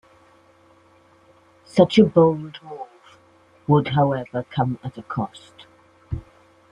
Such a bold move would however come at a cost.